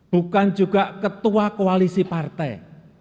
bukan juga ketua koalisi partai